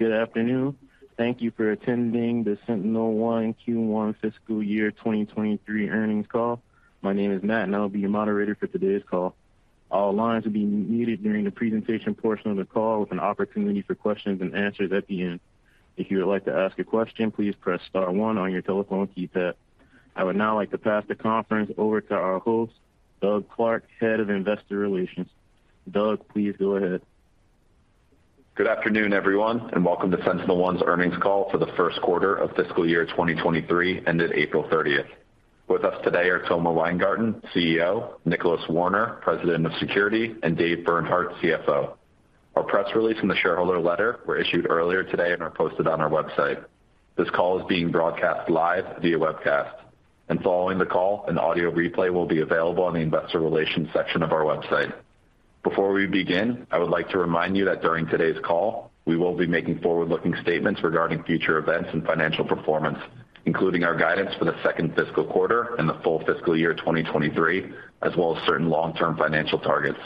Good afternoon. Thank you for attending the SentinelOne Q1 fiscal year 2023 earnings call. My name is Matt, and I'll be your moderator for today's call. All lines will be muted during the presentation portion of the call with an opportunity for questions and answers at the end. If you would like to ask a question, please press star one on your telephone keypad. I would now like to pass the conference over to our host, Doug Clark, Head of Investor Relations. Doug, please go ahead. Good afternoon, everyone, and welcome to SentinelOne's earnings call for the first quarter of fiscal year 2023 ended April 30. With us today are Tomer Weingarten, CEO, Nicholas Warner, President of Security, and Dave Bernhardt, CFO. Our press release and the shareholder letter were issued earlier today and are posted on our website. This call is being broadcast live via webcast. Following the call, an audio replay will be available on the investor relations section of our website. Before we begin, I would like to remind you that during today's call, we will be making forward-looking statements regarding future events and financial performance, including our guidance for the second fiscal quarter and the full fiscal year 2023, as well as certain long-term financial targets.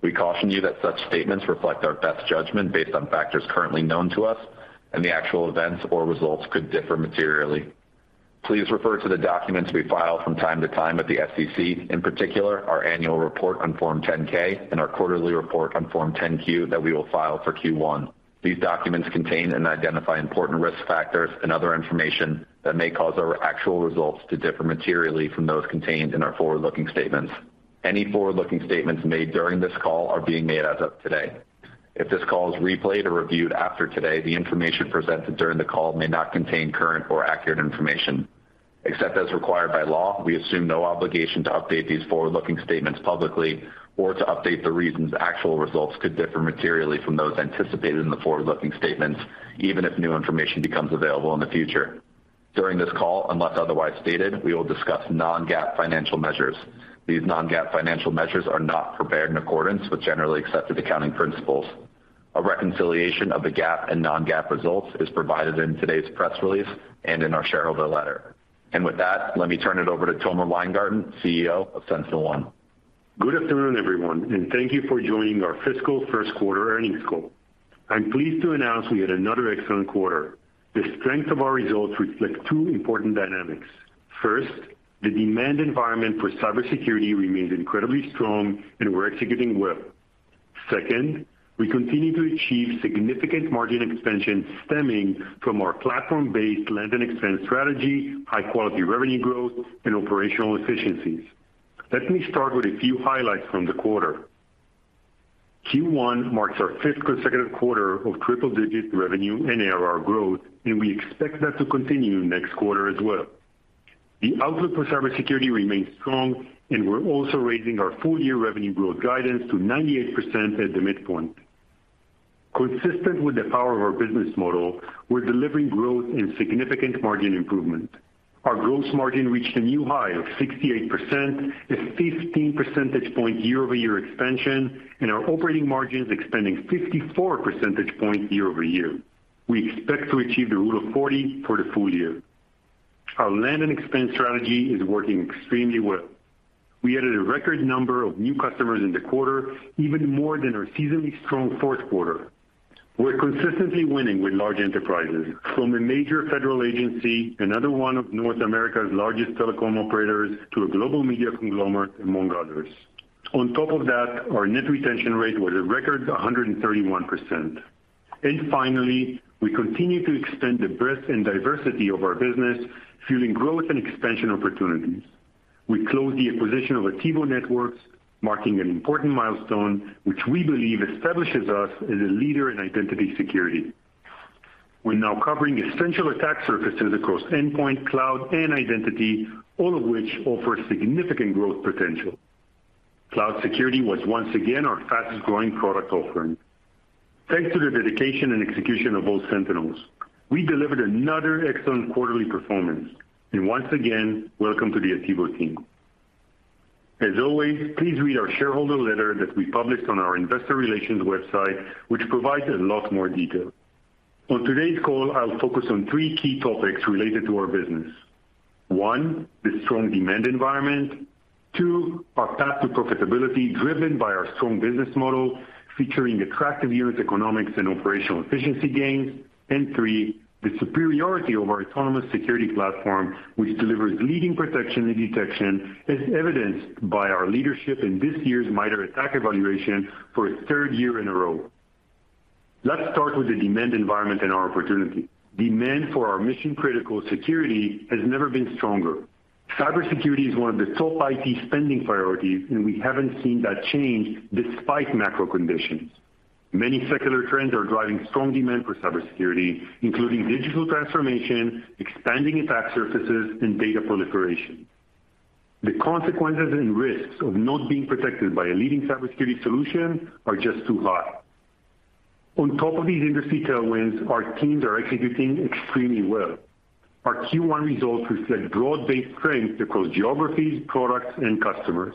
We caution you that such statements reflect our best judgment based on factors currently known to us and the actual events or results could differ materially. Please refer to the documents we file from time to time at the SEC, in particular, our annual report on Form 10-K and our quarterly report on Form 10-Q that we will file for Q1. These documents contain and identify important risk factors and other information that may cause our actual results to differ materially from those contained in our forward-looking statements. Any forward-looking statements made during this call are being made as of today. If this call is replayed or reviewed after today, the information presented during the call may not contain current or accurate information. Except as required by law, we assume no obligation to update these forward-looking statements publicly or to update the reasons actual results could differ materially from those anticipated in the forward-looking statements, even if new information becomes available in the future. During this call, unless otherwise stated, we will discuss non-GAAP financial measures. These non-GAAP financial measures are not prepared in accordance with generally accepted accounting principles. A reconciliation of the GAAP and non-GAAP results is provided in today's press release and in our shareholder letter. With that, let me turn it over to Tomer Weingarten, CEO of SentinelOne. Good afternoon, everyone, and thank you for joining our fiscal first quarter earnings call. I'm pleased to announce we had another excellent quarter. The strength of our results reflect two important dynamics. First, the demand environment for cybersecurity remains incredibly strong and we're executing well. Second, we continue to achieve significant margin expansion stemming from our platform-based land-and-expand strategy, high-quality revenue growth and operational efficiencies. Let me start with a few highlights from the quarter. Q1 marks our fifth consecutive quarter of triple-digit revenue and ARR growth, and we expect that to continue next quarter as well. The outlook for cybersecurity remains strong, and we're also raising our full-year revenue growth guidance to 98% at the midpoint. Consistent with the power of our business model, we're delivering growth and significant margin improvement. Our gross margin reached a new high of 68%, a 15 percentage point year-over-year expansion, and our operating margin is expanding 54 percentage point year-over-year. We expect to achieve the Rule of 40 for the full year. Our land and expand strategy is working extremely well. We added a record number of new customers in the quarter, even more than our seasonally strong fourth quarter. We're consistently winning with large enterprises from a major federal agency, another one of North America's largest telecom operators, to a global media conglomerate, among others. On top of that, our net retention rate was a record 131%. Finally, we continue to expand the breadth and diversity of our business, fueling growth and expansion opportunities. We closed the acquisition of Attivo Networks, marking an important milestone, which we believe establishes us as a leader in identity security. We're now covering essential attack surfaces across endpoint, cloud, and identity, all of which offer significant growth potential. Cloud security was once again our fastest-growing product offering. Thanks to the dedication and execution of all Sentinels, we delivered another excellent quarterly performance. Once again, welcome to the Attivo team. As always, please read our shareholder letter that we published on our investor relations website, which provides a lot more detail. On today's call, I'll focus on three key topics related to our business. One, the strong demand environment. Two, our path to profitability driven by our strong business model, featuring attractive unit economics and operational efficiency gains. Three, the superiority of our autonomous security platform, which delivers leading protection and detection, as evidenced by our leadership in this year's MITRE ATT&CK evaluation for a third year in a row. Let's start with the demand environment and our opportunity. Demand for our mission-critical security has never been stronger. Cybersecurity is one of the top IT spending priorities, and we haven't seen that change despite macro conditions. Many secular trends are driving strong demand for cybersecurity, including digital transformation, expanding attack surfaces, and data proliferation. The consequences and risks of not being protected by a leading cybersecurity solution are just too high. On top of these industry tailwinds, our teams are executing extremely well. Our Q1 results reflect broad-based strength across geographies, products, and customers.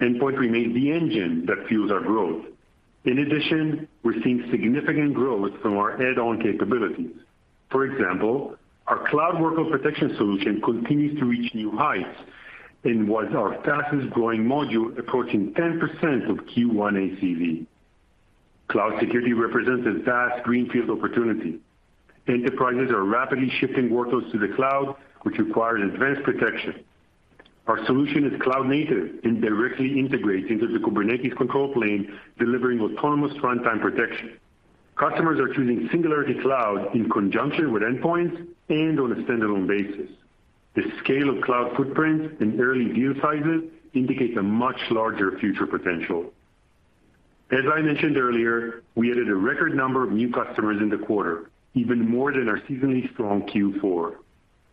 Endpoint remains the engine that fuels our growth. In addition, we're seeing significant growth from our add-on capabilities. For example, our cloud workload protection solution continues to reach new heights and was our fastest-growing module approaching 10% of Q1 ACV. Cloud security represents a vast greenfield opportunity. Enterprises are rapidly shifting workloads to the cloud, which requires advanced protection. Our solution is cloud-native and directly integrates into the Kubernetes control plane, delivering autonomous runtime protection. Customers are choosing Singularity Cloud in conjunction with endpoints and on a standalone basis. The scale of cloud footprints and early deal sizes indicate a much larger future potential. As I mentioned earlier, we added a record number of new customers in the quarter, even more than our seasonally strong Q4.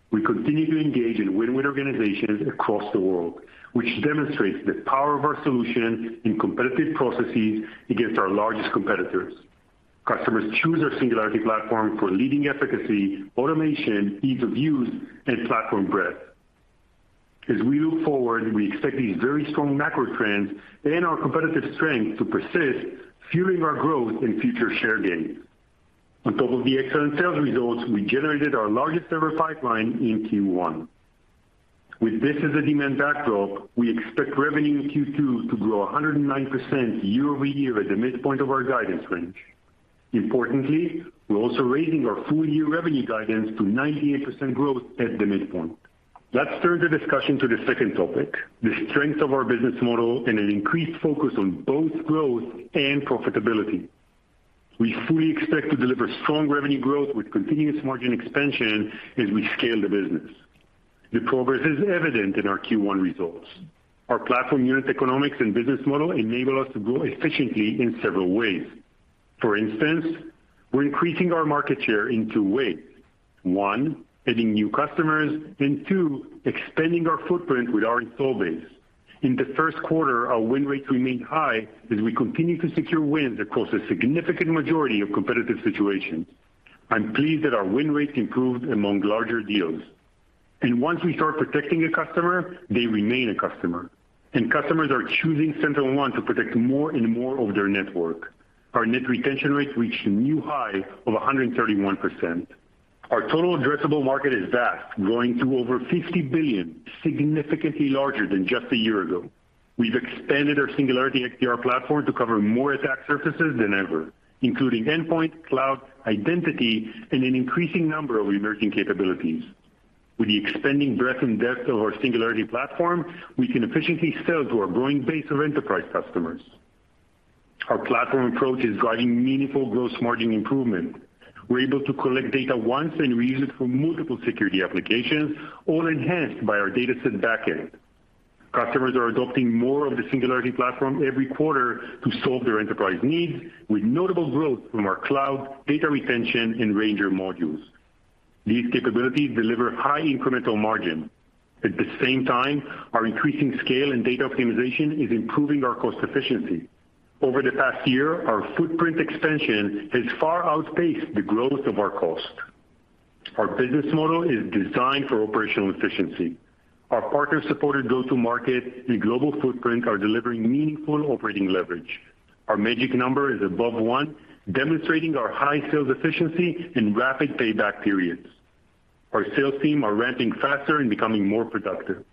We continue to engage and win with organizations across the world, which demonstrates the power of our solution in competitive processes against our largest competitors. Customers choose our Singularity platform for leading efficacy, automation, ease of use, and platform breadth. As we look forward, we expect these very strong macro trends and our competitive strength to persist, fueling our growth and future share gains. On top of the excellent sales results, we generated our largest ever pipeline in Q1. With this as a demand backdrop, we expect revenue in Q2 to grow 109% year-over-year at the midpoint of our guidance range. Importantly, we're also raising our full year revenue guidance to 98% growth at the midpoint. Let's turn the discussion to the second topic, the strength of our business model and an increased focus on both growth and profitability. We fully expect to deliver strong revenue growth with continuous margin expansion as we scale the business. The progress is evident in our Q1 results. Our platform unit economics and business model enable us to grow efficiently in several ways. For instance, we're increasing our market share in two ways. One, adding new customers. Two, expanding our footprint with our install base. In the first quarter, our win rates remained high as we continue to secure wins across a significant majority of competitive situations. I'm pleased that our win rates improved among larger deals. Once we start protecting a customer, they remain a customer, and customers are choosing SentinelOne to protect more and more of their network. Our net retention rates reached a new high of 131%. Our total addressable market is vast, growing to over $50 billion, significantly larger than just a year ago. We've expanded our Singularity XDR platform to cover more attack surfaces than ever, including endpoint, cloud, identity, and an increasing number of emerging capabilities. With the expanding breadth and depth of our Singularity platform, we can efficiently sell to our growing base of enterprise customers. Our platform approach is driving meaningful gross margin improvement. We're able to collect data once and reuse it for multiple security applications, all enhanced by our DataSet backend. Customers are adopting more of the Singularity platform every quarter to solve their enterprise needs, with notable growth from our cloud, Data Retention, and Ranger modules. These capabilities deliver high incremental margin. At the same time, our increasing scale and data optimization is improving our cost efficiency. Over the past year, our footprint expansion has far outpaced the growth of our cost. Our business model is designed for operational efficiency. Our partner-supported go-to-market and global footprint are delivering meaningful operating leverage. Our magic number is above one, demonstrating our high sales efficiency and rapid payback periods. Our sales team are ramping faster and becoming more productive.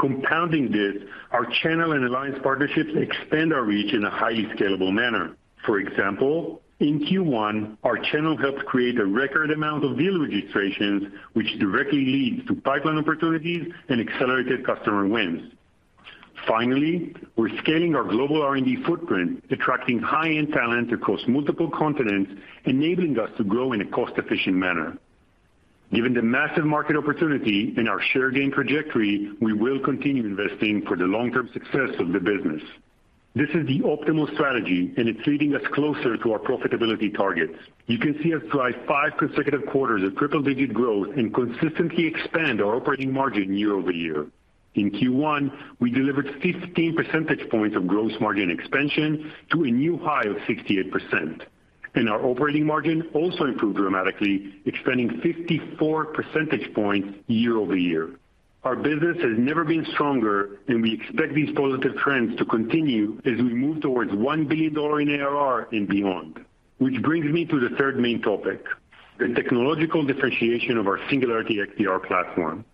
Compounding this, our channel and alliance partnerships expand our reach in a highly scalable manner. For example, in Q1, our channel helped create a record amount of deal registrations, which directly leads to pipeline opportunities and accelerated customer wins. Finally, we're scaling our global R&D footprint, attracting high-end talent across multiple continents, enabling us to grow in a cost-efficient manner. Given the massive market opportunity and our share gain trajectory, we will continue investing for the long-term success of the business. This is the optimal strategy, and it's leading us closer to our profitability targets. You can see us drive five consecutive quarters of triple-digit growth and consistently expand our operating margin year over year. In Q1, we delivered 15 percentage points of gross margin expansion to a new high of 68%. Our operating margin also improved dramatically, expanding 54 percentage points year over year. Our business has never been stronger, and we expect these positive trends to continue as we move towards $1 billion in ARR and beyond. Which brings me to the third main topic, the technological differentiation of our Singularity XDR platform.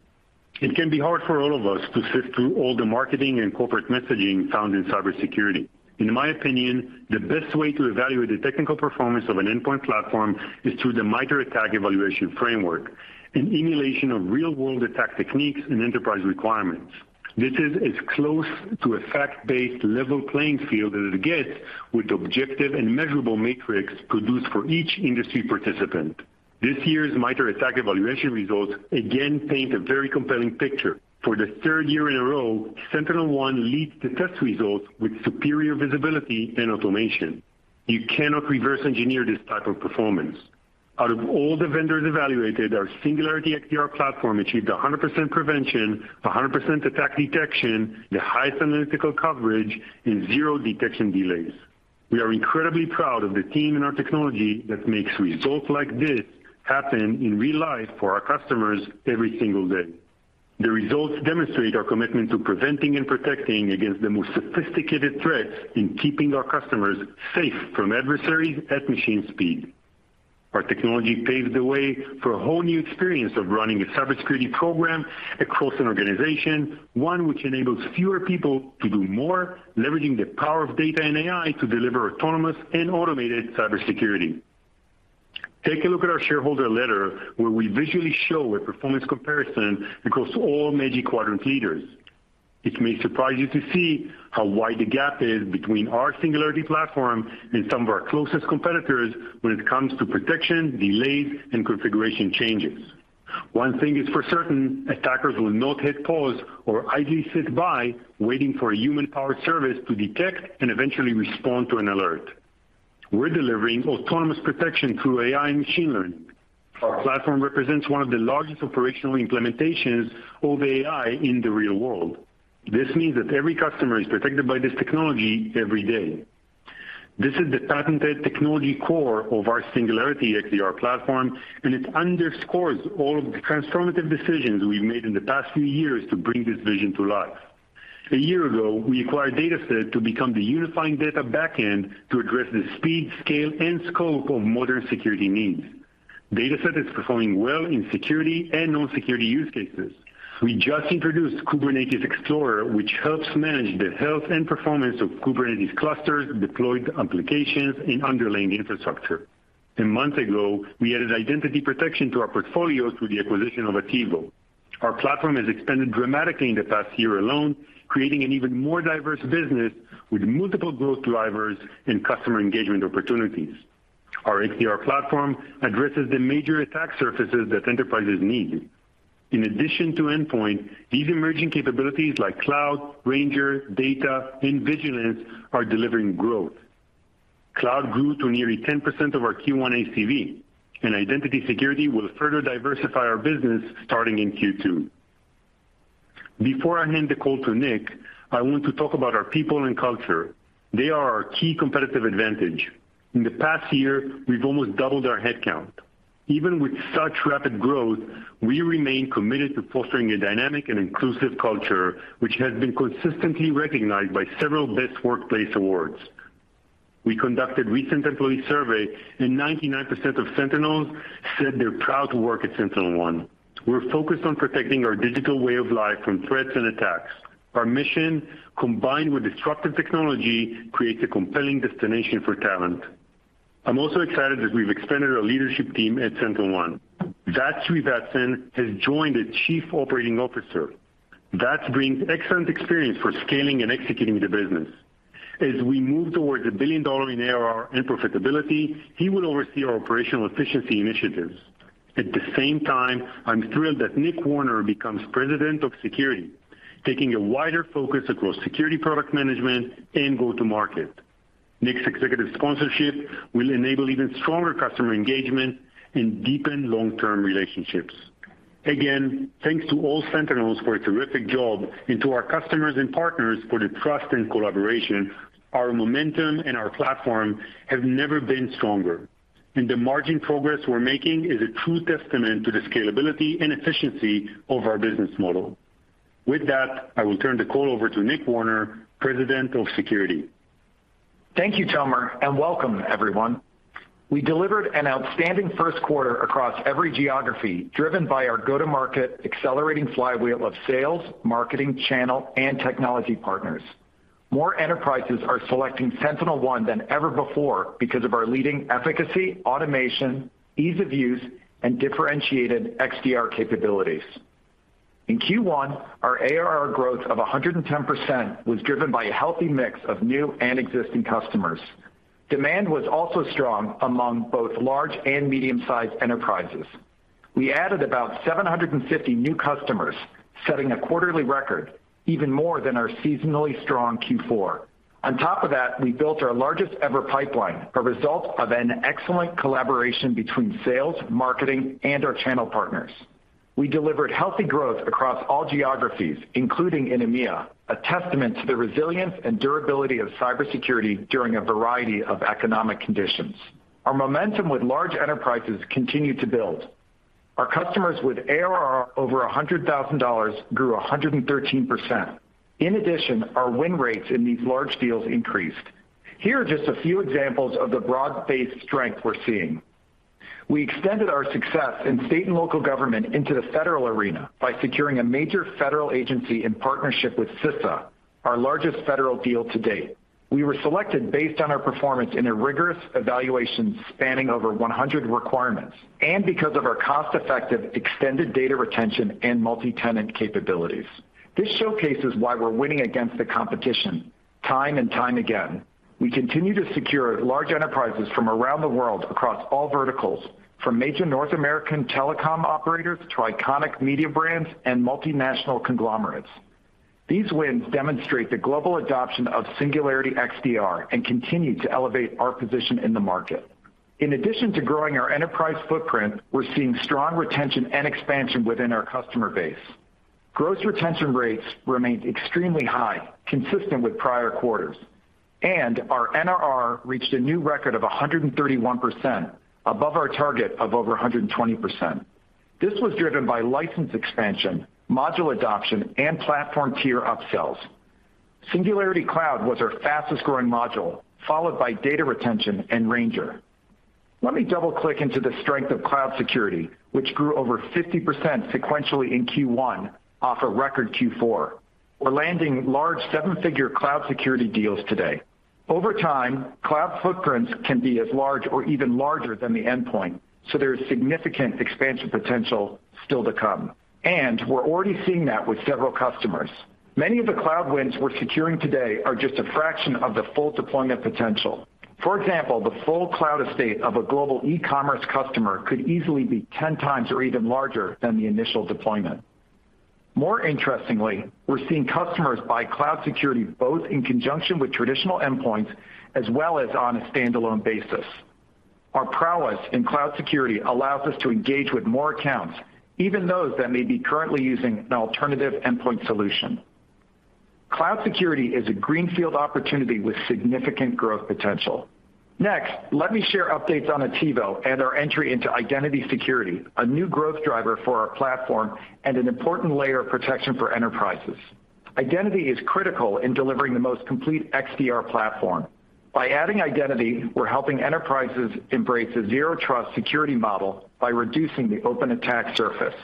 It can be hard for all of us to sift through all the marketing and corporate messaging found in cybersecurity. In my opinion, the best way to evaluate the technical performance of an endpoint platform is through the MITRE ATT&CK evaluation framework, an emulation of real-world attack techniques and enterprise requirements. This is as close to a fact-based level playing field as it gets with objective and measurable metrics produced for each industry participant. This year's MITRE ATT&CK evaluation results again paint a very compelling picture. For the third year in a row, SentinelOne leads the test results with superior visibility and automation. You cannot reverse engineer this type of performance. Out of all the vendors evaluated, our Singularity XDR platform achieved 100% prevention, 100% attack detection, the highest analytical coverage, and zero detection delays. We are incredibly proud of the team and our technology that makes results like this happen in real life for our customers every single day. The results demonstrate our commitment to preventing and protecting against the most sophisticated threats in keeping our customers safe from adversaries at machine speed. Our technology paves the way for a whole new experience of running a cybersecurity program across an organization, one which enables fewer people to do more, leveraging the power of data and AI to deliver autonomous and automated cybersecurity. Take a look at our shareholder letter, where we visually show a performance comparison across all Magic Quadrant leaders. It may surprise you to see how wide the gap is between our Singularity platform and some of our closest competitors when it comes to protection, delays, and configuration changes. One thing is for certain, attackers will not hit pause or idly sit by waiting for a human-powered service to detect and eventually respond to an alert. We're delivering autonomous protection through AI and machine learning. Our platform represents one of the largest operational implementations of AI in the real world. This means that every customer is protected by this technology every day. This is the patented technology core of our Singularity XDR platform, and it underscores all of the transformative decisions we've made in the past few years to bring this vision to life. A year ago, we acquired DataSet to become the unifying data backend to address the speed, scale, and scope of modern security needs. DataSet is performing well in security and non-security use cases. We just introduced Kubernetes Explorer, which helps manage the health and performance of Kubernetes clusters, deployed applications, and underlying infrastructure. A month ago, we added identity protection to our portfolios through the acquisition of Attivo. Our platform has expanded dramatically in the past year alone, creating an even more diverse business with multiple growth drivers and customer engagement opportunities. Our XDR platform addresses the major attack surfaces that enterprises need. In addition to endpoint, these emerging capabilities like cloud, Ranger, data, and Vigilance are delivering growth. Cloud grew to nearly 10% of our Q1 ACV, and identity security will further diversify our business starting in Q2. Before I hand the call to Nick, I want to talk about our people and culture. They are our key competitive advantage. In the past year, we've almost doubled our headcount. Even with such rapid growth, we remain committed to fostering a dynamic and inclusive culture, which has been consistently recognized by several best workplace awards. We conducted recent employee survey, and 99% of Sentinels said they're proud to work at SentinelOne. We're focused on protecting our digital way of life from threats and attacks. Our mission, combined with disruptive technology, creates a compelling destination for talent. I'm also excited that we've expanded our leadership team at SentinelOne. Vats Srivatsan has joined as Chief Operating Officer. Vaj brings excellent experience for scaling and executing the business. As we move towards a billion dollars in ARR and profitability, he will oversee our operational efficiency initiatives. At the same time, I'm thrilled that Nick Warner becomes President of Security, taking a wider focus across security product management and go-to-market. Nick's executive sponsorship will enable even stronger customer engagement and deepen long-term relationships. Again, thanks to all Sentinels for a terrific job and to our customers and partners for the trust and collaboration. Our momentum and our platform have never been stronger, and the margin progress we're making is a true testament to the scalability and efficiency of our business model. With that, I will turn the call over to Nick Warner, President of Security. Thank you, Tomer, and welcome everyone. We delivered an outstanding first quarter across every geography, driven by our go-to-market accelerating flywheel of sales, marketing, channel, and technology partners. More enterprises are selecting SentinelOne than ever before because of our leading efficacy, automation, ease of use, and differentiated XDR capabilities. In Q1, our ARR growth of 110% was driven by a healthy mix of new and existing customers. Demand was also strong among both large and medium-sized enterprises. We added about 750 new customers, setting a quarterly record, even more than our seasonally strong Q4. On top of that, we built our largest-ever pipeline, a result of an excellent collaboration between sales, marketing, and our channel partners. We delivered healthy growth across all geographies, including in EMEA, a testament to the resilience and durability of cybersecurity during a variety of economic conditions. Our momentum with large enterprises continued to build. Our customers with ARR over $100,000 grew 113%. In addition, our win rates in these large deals increased. Here are just a few examples of the broad-based strength we're seeing. We extended our success in state and local government into the federal arena by securing a major federal agency in partnership with CISA, our largest federal deal to date. We were selected based on our performance in a rigorous evaluation spanning over 100 requirements and because of our cost-effective extended data retention and multi-tenant capabilities. This showcases why we're winning against the competition time and time again. We continue to secure large enterprises from around the world across all verticals, from major North American telecom operators to iconic media brands and multinational conglomerates. These wins demonstrate the global adoption of Singularity XDR and continue to elevate our position in the market. In addition to growing our enterprise footprint, we're seeing strong retention and expansion within our customer base. Gross retention rates remained extremely high, consistent with prior quarters. Our NRR reached a new record of 131%, above our target of over 120%. This was driven by license expansion, module adoption, and platform tier upsells. Singularity Cloud was our fastest-growing module, followed by data retention and Ranger. Let me double-click into the strength of cloud security, which grew over 50% sequentially in Q1 off a record Q4. We're landing large seven-figure cloud security deals today. Over time, cloud footprints can be as large or even larger than the endpoint, so there is significant expansion potential still to come, and we're already seeing that with several customers. Many of the cloud wins we're securing today are just a fraction of the full deployment potential. For example, the full cloud estate of a global e-commerce customer could easily be 10 times or even larger than the initial deployment. More interestingly, we're seeing customers buy cloud security both in conjunction with traditional endpoints as well as on a standalone basis. Our prowess in cloud security allows us to engage with more accounts, even those that may be currently using an alternative endpoint solution. Cloud security is a greenfield opportunity with significant growth potential. Next, let me share updates on Attivo and our entry into identity security, a new growth driver for our platform and an important layer of protection for enterprises. Identity is critical in delivering the most complete XDR platform. By adding identity, we're helping enterprises embrace a Zero Trust security model by reducing the open attack surface.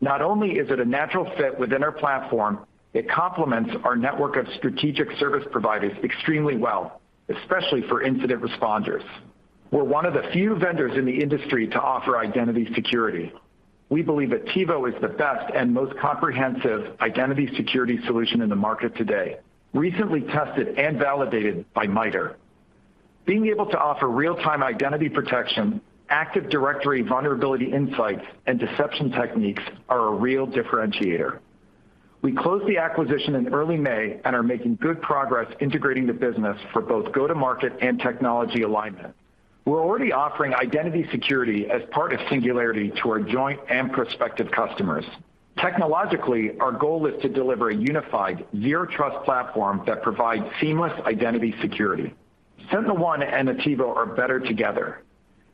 Not only is it a natural fit within our platform, it complements our network of strategic service providers extremely well, especially for incident responders. We're one of the few vendors in the industry to offer identity security. We believe Attivo is the best and most comprehensive identity security solution in the market today, recently tested and validated by MITRE. Being able to offer real-time identity protection, Active Directory vulnerability insights, and deception techniques are a real differentiator. We closed the acquisition in early May and are making good progress integrating the business for both go-to-market and technology alignment. We're already offering identity security as part of Singularity to our joint and prospective customers. Technologically, our goal is to deliver a unified Zero Trust platform that provides seamless identity security. SentinelOne and Attivo are better together.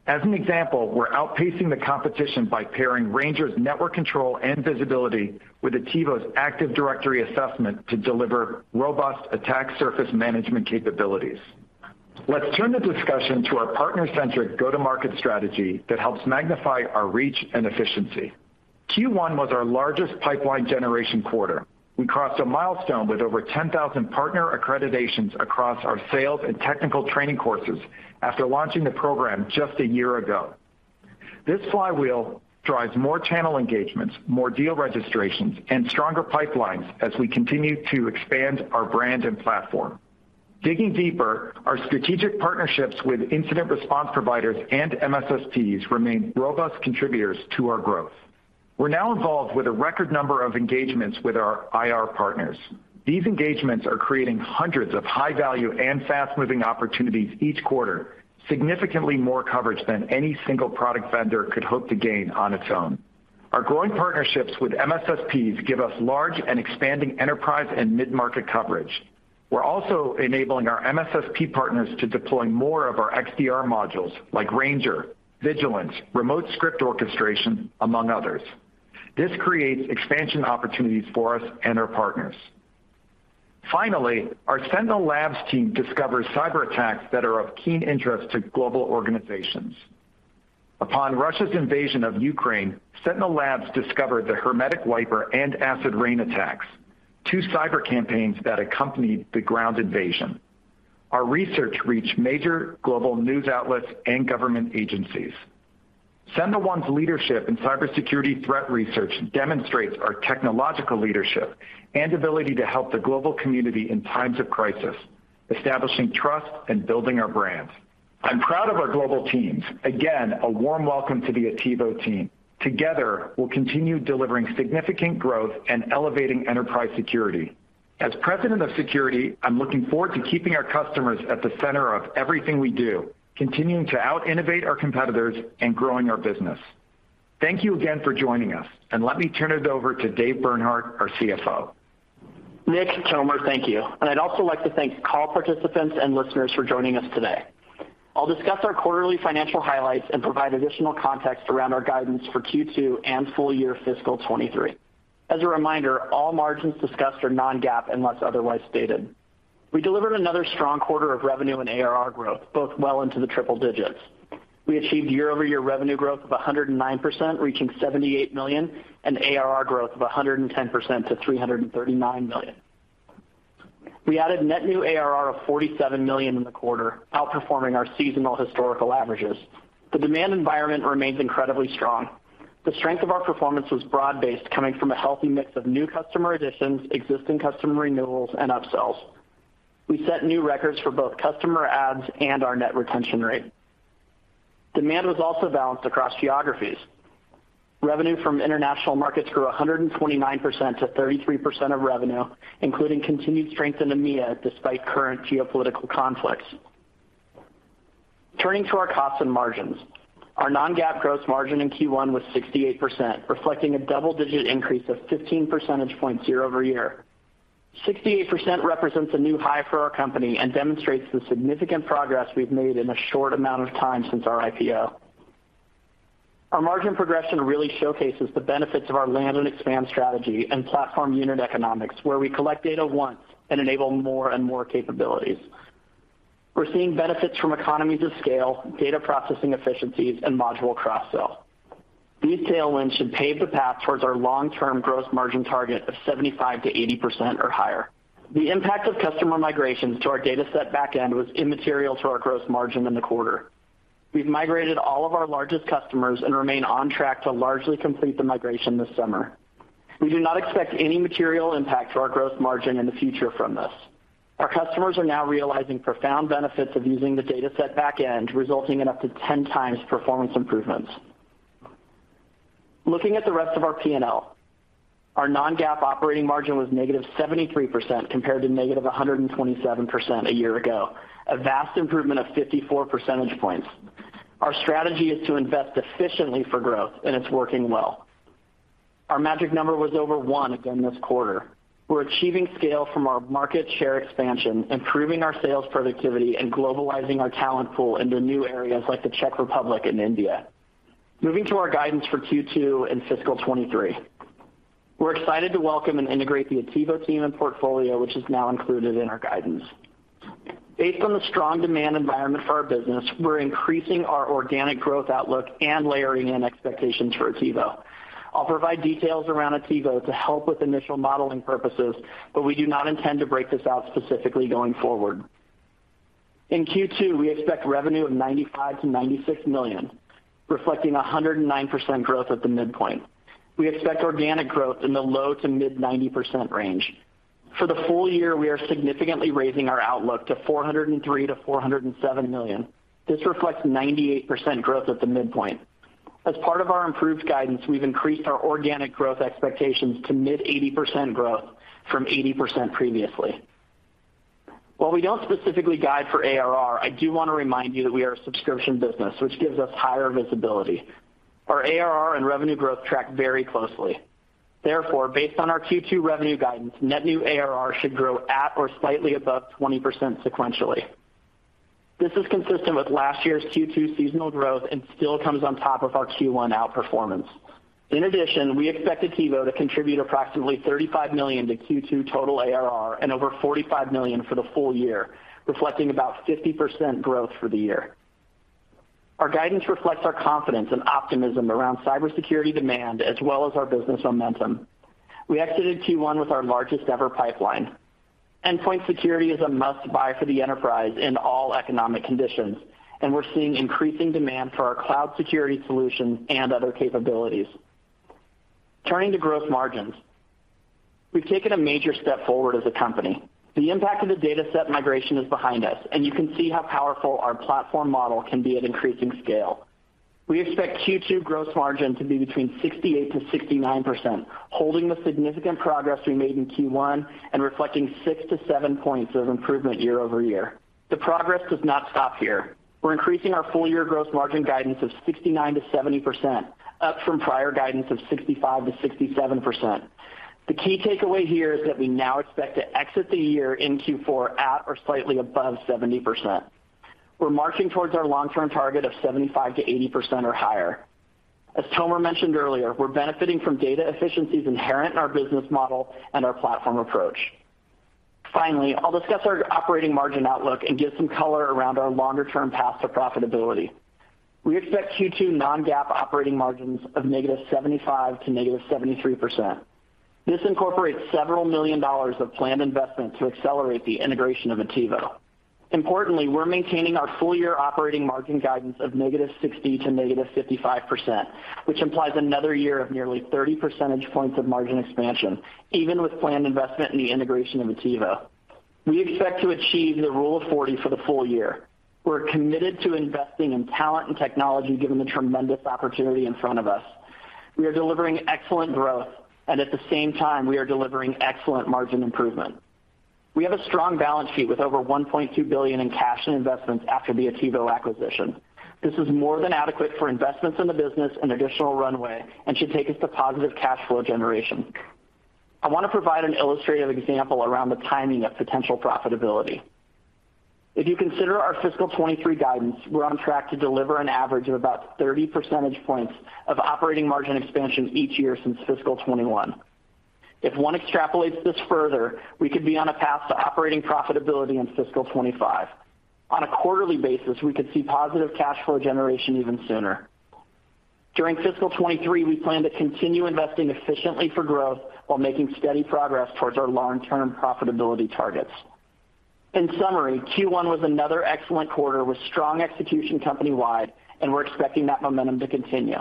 As an example, we're outpacing the competition by pairing Ranger's network control and visibility with Attivo's active directory assessment to deliver robust attack surface management capabilities. Let's turn the discussion to our partner-centric go-to-market strategy that helps magnify our reach and efficiency. Q1 was our largest pipeline generation quarter. We crossed a milestone with over 10,000 partner accreditations across our sales and technical training courses after launching the program just a year ago. This flywheel drives more channel engagements, more deal registrations, and stronger pipelines as we continue to expand our brand and platform. Digging deeper, our strategic partnerships with incident response providers and MSSPs remain robust contributors to our growth. We're now involved with a record number of engagements with our IR partners. These engagements are creating hundreds of high-value and fast-moving opportunities each quarter, significantly more coverage than any single product vendor could hope to gain on its own. Our growing partnerships with MSSPs give us large and expanding enterprise and mid-market coverage. We're also enabling our MSSP partners to deploy more of our XDR modules like Ranger, Vigilance, Remote Script Orchestration, among others. This creates expansion opportunities for us and our partners. Finally, our SentinelLabs team discovers cyberattacks that are of keen interest to global organizations. Upon Russia's invasion of Ukraine, SentinelLabs discovered the HermeticWiper and AcidRain attacks, two cyber campaigns that accompanied the ground invasion. Our research reached major global news outlets and government agencies. SentinelOne's leadership in cybersecurity threat research demonstrates our technological leadership and ability to help the global community in times of crisis, establishing trust and building our brand. I'm proud of our global teams. Again, a warm welcome to the Attivo team. Together, we'll continue delivering significant growth and elevating enterprise security. As President of Security, I'm looking forward to keeping our customers at the center of everything we do, continuing to out-innovate our competitors and growing our business. Thank you again for joining us, and let me turn it over to Dave Bernhardt, our CFO. Nick, Tomer, thank you. I'd also like to thank call participants and listeners for joining us today. I'll discuss our quarterly financial highlights and provide additional context around our guidance for Q2 and full year fiscal 2023. As a reminder, all margins discussed are non-GAAP unless otherwise stated. We delivered another strong quarter of revenue and ARR growth, both well into the triple digits. We achieved year-over-year revenue growth of 109%, reaching $78 million, and ARR growth of 110% to $339 million. We added net new ARR of $47 million in the quarter, outperforming our seasonal historical averages. The demand environment remains incredibly strong. The strength of our performance was broad-based, coming from a healthy mix of new customer additions, existing customer renewals, and upsells. We set new records for both customer adds and our net retention rate. Demand was also balanced across geographies. Revenue from international markets grew 129% to 33% of revenue, including continued strength in EMEA despite current geopolitical conflicts. Turning to our costs and margins. Our non-GAAP gross margin in Q1 was 68%, reflecting a double-digit increase of 15 percentage points year-over-year. 68% represents a new high for our company and demonstrates the significant progress we've made in a short amount of time since our IPO. Our margin progression really showcases the benefits of our land and expand strategy and platform unit economics, where we collect data once and enable more and more capabilities. We're seeing benefits from economies of scale, data processing efficiencies, and module cross-sell. These tailwinds should pave the path towards our long-term gross margin target of 75%-80% or higher. The impact of customer migrations to our DataSet backend was immaterial to our gross margin in the quarter. We've migrated all of our largest customers and remain on track to largely complete the migration this summer. We do not expect any material impact to our gross margin in the future from this. Our customers are now realizing profound benefits of using the DataSet backend, resulting in up to 10 times performance improvements. Looking at the rest of our P&L, our non-GAAP operating margin was negative 73% compared to negative 127% a year ago, a vast improvement of 54 percentage points. Our strategy is to invest efficiently for growth, and it's working well. Our magic number was over one again this quarter. We're achieving scale from our market share expansion, improving our sales productivity, and globalizing our talent pool into new areas like the Czech Republic and India. Moving to our guidance for Q2 and fiscal 2023. We're excited to welcome and integrate the Attivo team and portfolio, which is now included in our guidance. Based on the strong demand environment for our business, we're increasing our organic growth outlook and layering in expectations for Attivo. I'll provide details around Attivo to help with initial modeling purposes, but we do not intend to break this out specifically going forward. In Q2, we expect revenue of $95 million-$96 million, reflecting 109% growth at the midpoint. We expect organic growth in the low- to mid-90% range. For the full year, we are significantly raising our outlook to $403 million-$407 million. This reflects 98% growth at the midpoint. As part of our improved guidance, we've increased our organic growth expectations to mid-80% growth from 80% previously. While we don't specifically guide for ARR, I do want to remind you that we are a subscription business, which gives us higher visibility. Our ARR and revenue growth track very closely. Therefore, based on our Q2 revenue guidance, net new ARR should grow at or slightly above 20% sequentially. This is consistent with last year's Q2 seasonal growth and still comes on top of our Q1 outperformance. In addition, we expect Attivo to contribute approximately $35 million to Q2 total ARR and over $45 million for the full year, reflecting about 50% growth for the year. Our guidance reflects our confidence and optimism around cybersecurity demand as well as our business momentum. We exited Q1 with our largest-ever pipeline. Endpoint security is a must-buy for the enterprise in all economic conditions, and we're seeing increasing demand for our cloud security solutions and other capabilities. Turning to gross margins. We've taken a major step forward as a company. The impact of the DataSet migration is behind us, and you can see how powerful our platform model can be at increasing scale. We expect Q2 gross margin to be between 68%-69%, holding the significant progress we made in Q1 and reflecting six-seven points of improvement year-over-year. The progress does not stop here. We're increasing our full-year gross margin guidance of 69%-70%, up from prior guidance of 65%-67%. The key takeaway here is that we now expect to exit the year in Q4 at or slightly above 70%. We're marching towards our long-term target of 75%-80% or higher. As Tomer mentioned earlier, we're benefiting from data efficiencies inherent in our business model and our platform approach. Finally, I'll discuss our operating margin outlook and give some color around our longer-term path to profitability. We expect Q2 non-GAAP operating margins of -75% to -73%. This incorporates $several million of planned investment to accelerate the integration of Attivo. Importantly, we're maintaining our full-year operating margin guidance of -60% to -55%, which implies another year of nearly 30 percentage points of margin expansion, even with planned investment in the integration of Attivo. We expect to achieve the Rule of 40 for the full year. We're committed to investing in talent and technology, given the tremendous opportunity in front of us. We are delivering excellent growth, and at the same time, we are delivering excellent margin improvement. We have a strong balance sheet with over $1.2 billion in cash and investments after the Attivo acquisition. This is more than adequate for investments in the business and additional runway and should take us to positive cash flow generation. I want to provide an illustrative example around the timing of potential profitability. If you consider our fiscal 2023 guidance, we're on track to deliver an average of about 30 percentage points of operating margin expansion each year since fiscal 2021. If one extrapolates this further, we could be on a path to operating profitability in fiscal 2025. On a quarterly basis, we could see positive cash flow generation even sooner. During fiscal 2023, we plan to continue investing efficiently for growth while making steady progress towards our long-term profitability targets. In summary, Q1 was another excellent quarter with strong execution company-wide, and we're expecting that momentum to continue.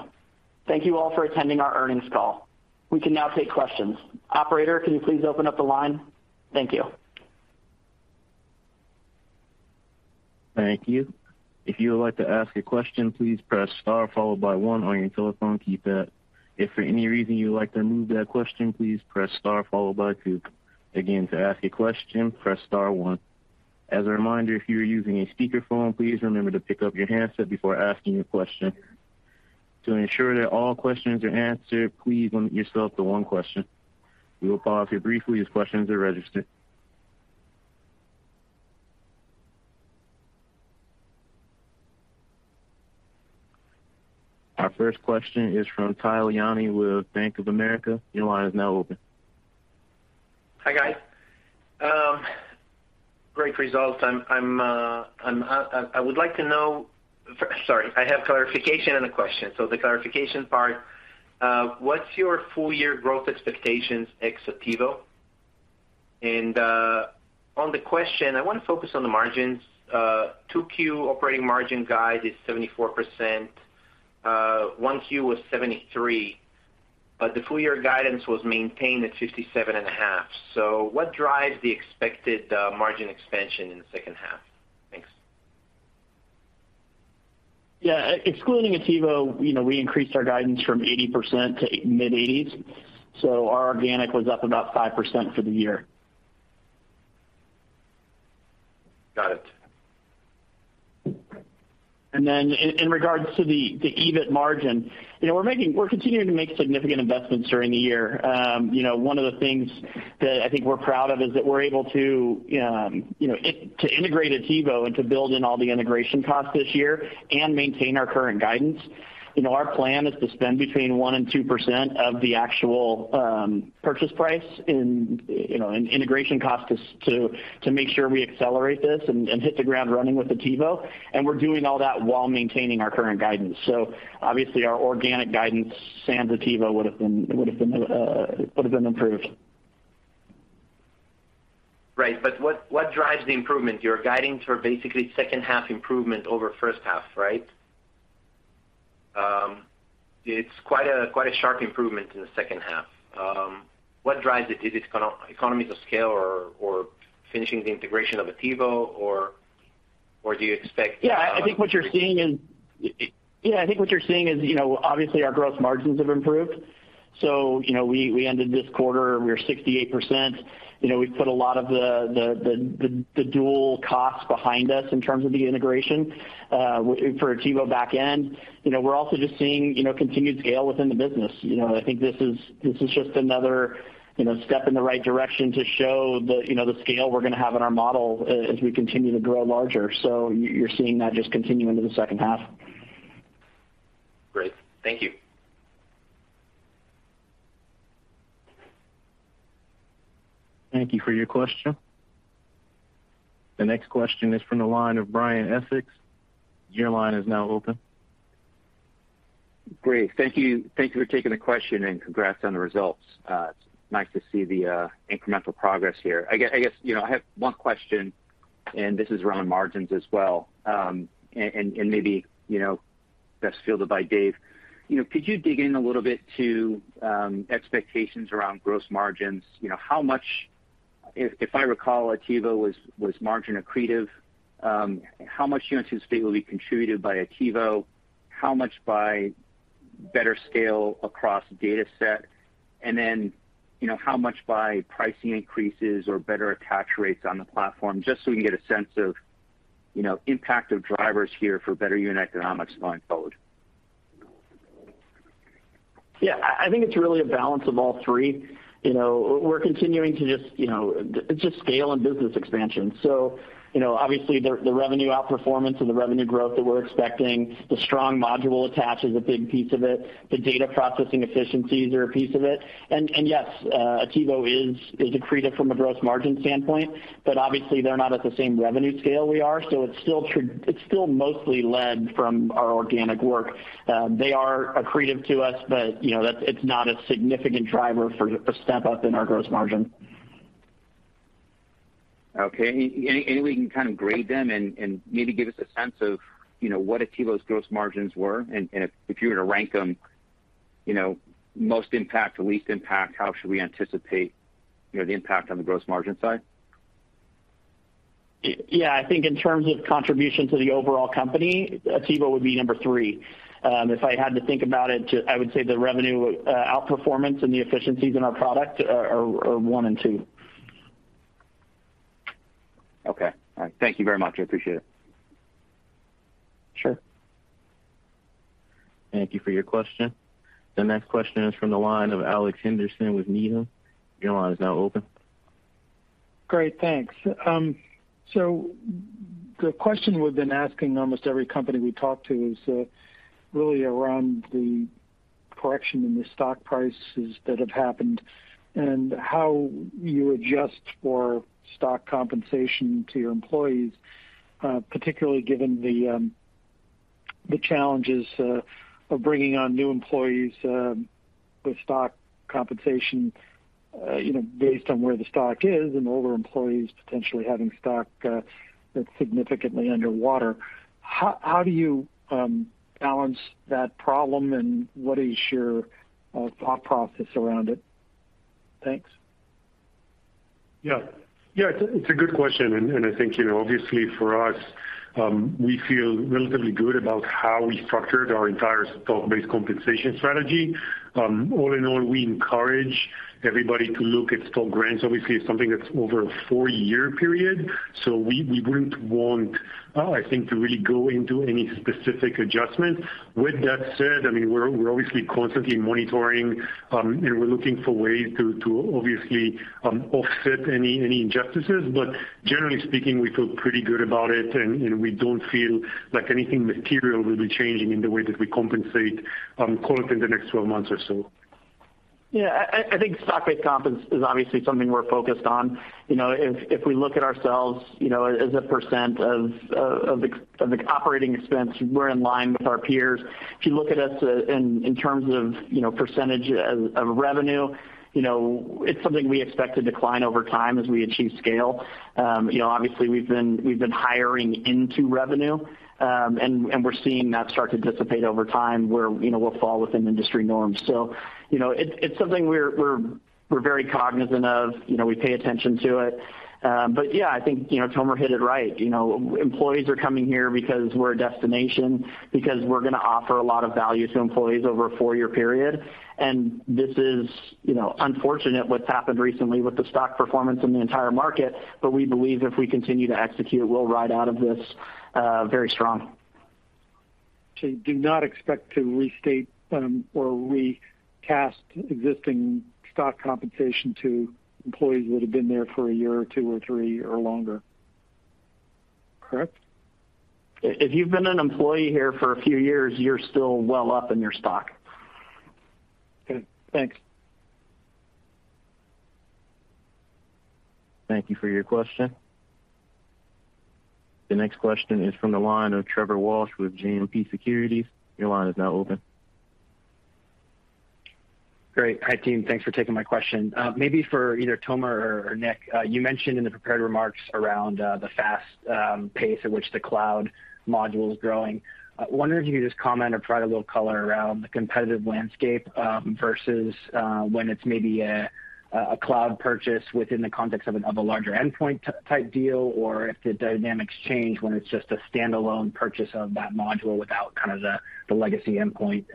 Thank you all for attending our earnings call. We can now take questions. Operator, can you please open up the line? Thank you. Thank you. If you would like to ask a question, please press star followed by one on your telephone keypad. If for any reason you would like to remove that question, please press star followed by two. Again, to ask a question, press star one. As a reminder, if you're using a speakerphone, please remember to pick up your handset before asking your question. To ensure that all questions are answered, please limit yourself to one question. We will pause you briefly as questions are registered. Our first question is from Tal Liani with Bank of America. Your line is now open. Hi, guys. Great results. Sorry, I have clarification and a question. The clarification part, what's your full year growth expectations ex Attivo? On the question, I wanna focus on the margins. 2Q operating margin guide is 74%. 1Q was 73%, but the full year guidance was maintained at 57.5%. What drives the expected margin expansion in the second half? Thanks. Yeah. Excluding Attivo, you know, we increased our guidance from 80% to mid-80s. Our organic was up about 5% for the year. Got it. In regards to the EBIT margin, you know, we're continuing to make significant investments during the year. You know, one of the things that I think we're proud of is that we're able to, you know, to integrate Attivo and to build in all the integration costs this year and maintain our current guidance. You know, our plan is to spend between 1% and 2% of the actual purchase price and, you know, and integration costs to make sure we accelerate this and hit the ground running with Attivo. We're doing all that while maintaining our current guidance. Obviously, our organic guidance sans Attivo would've been improved. Right. What drives the improvement? You're guiding for basically second half improvement over first half, right? It's quite a sharp improvement in the second half. What drives it? Is it economies of scale or finishing the integration of Attivo or do you expect- Yeah, I think what you're seeing is, you know, obviously our gross margins have improved. You know, we ended this quarter, we were 68%. You know, we put a lot of the dual costs behind us in terms of the integration for Attivo back end. You know, we're also just seeing, you know, continued scale within the business. You know, I think this is just another, you know, step in the right direction to show the, you know, the scale we're gonna have in our model as we continue to grow larger. You're seeing that just continue into the second half. Great. Thank you. Thank you for your question. The next question is from the line of Brian Essex. Your line is now open. Great. Thank you. Thank you for taking the question, and congrats on the results. It's nice to see the incremental progress here. I guess, you know, I have one question, and this is around margins as well. And maybe, you know, best fielded by Dave. You know, could you dig in a little bit to expectations around gross margins? You know, how much? If I recall, Attivo was margin accretive. How much do you anticipate will be contributed by Attivo? How much by better scale across DataSet? And then, you know, how much by pricing increases or better attach rates on the platform, just so we can get a sense of, you know, impact of drivers here for better unit economics going forward. Yeah. I think it's really a balance of all three. You know, we're continuing to just, you know, it's just scale and business expansion. You know, obviously the revenue outperformance and the revenue growth that we're expecting, the strong module attach is a big piece of it. The data processing efficiencies are a piece of it. Yes, Attivo is accretive from a gross margin standpoint, but obviously they're not at the same revenue scale we are. It's still mostly led from our organic work. They are accretive to us, but, you know, it's not a significant driver for step up in our gross margin. Okay. Any way you can kind of grade them and maybe give us a sense of, you know, what Attivo's gross margins were? If you were to rank them, you know, most impact to least impact, how should we anticipate, you know, the impact on the gross margin side? Yeah, I think in terms of contribution to the overall company, Attivo would be number three. If I had to think about it, I would say the revenue outperformance and the efficiencies in our product are one and two. Okay. All right. Thank you very much. I appreciate it. Sure. Thank you for your question. The next question is from the line of Alex Henderson with Needham. Your line is now open. Great. Thanks. The question we've been asking almost every company we talk to is, really around the correction in the stock prices that have happened and how you adjust for stock compensation to your employees, particularly given the challenges of bringing on new employees with stock compensation, you know, based on where the stock is and older employees potentially having stock that's significantly underwater. How do you balance that problem, and what is your thought process around it? Thanks. Yeah, it's a good question, and I think, you know, obviously for us, we feel relatively good about how we structured our entire stock-based compensation strategy. All in all, we encourage everybody to look at stock grants. Obviously, it's something that's over a four-year period, so we wouldn't want, I think, to really go into any specific adjustment. With that said, I mean, we're obviously constantly monitoring, and we're looking for ways to obviously offset any injustices. Generally speaking, we feel pretty good about it and we don't feel like anything material will be changing in the way that we compensate talent in the next 12 months or so. Yeah. I think stock-based comp is obviously something we're focused on. You know, if we look at ourselves, you know, as a percent of the operating expense, we're in line with our peers. If you look at us in terms of, you know, percentage of revenue, you know, it's something we expect to decline over time as we achieve scale. You know, obviously we've been hiring into revenue, and we're seeing that start to dissipate over time where, you know, we'll fall within industry norms. You know, it's something we're very cognizant of, you know, we pay attention to it. Yeah, I think, you know, Tomer hit it right. You know, employees are coming here because we're a destination, because we're gonna offer a lot of value to employees over a four-year period. This is, you know, unfortunate what's happened recently with the stock performance in the entire market. We believe if we continue to execute, we'll ride out of this, very strong. You do not expect to restate, or recast existing stock compensation to employees that have been there for a year or two or three or longer? Correct? If you've been an employee here for a few years, you're still well up in your stock. Okay, thanks. Thank you for your question. The next question is from the line of Trevor Walsh with JMP Securities. Your line is now open. Great. Hi, team. Thanks for taking my question. Maybe for either Tomer or Nick. You mentioned in the prepared remarks around the fast pace at which the cloud module is growing. Wondering if you could just comment or provide a little color around the competitive landscape versus when it's maybe a cloud purchase within the context of a larger endpoint-type deal or if the dynamics change when it's just a standalone purchase of that module without kind of the legacy endpoint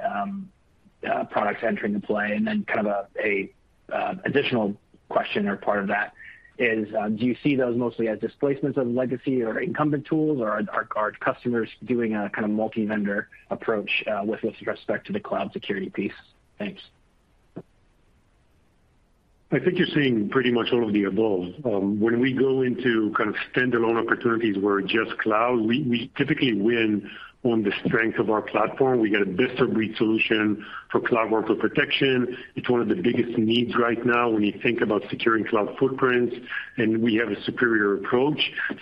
products entering the play. Then kind of a additional question or part of that is, do you see those mostly as displacements of legacy or incumbent tools, or are customers doing a kind of multi-vendor approach with respect to the cloud security piece? Thanks. I think you're seeing pretty much all of the above. When we go into kind of standalone opportunities where just cloud, we typically win on the strength of our platform. We got a best-of-breed solution for cloud workload protection. It's one of the biggest needs right now when you think about securing cloud footprints, and we have a superior approach.